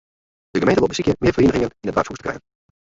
De gemeente wol besykje mear ferieningen yn it doarpshûs te krijen.